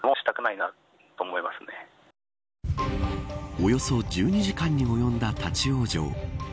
およそ１２時間に及んだ立ち往生。